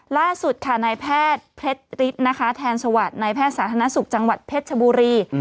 ล่าสุดค่ะนายแพทย์แทนสวัสดิ์นายแพทย์สาธารณสุขจังหวัดเพชรชบุรี